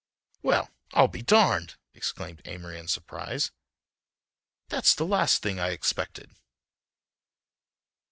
"Well, I'll be darned!" exclaimed Amory in surprise, "that's the last thing I expected."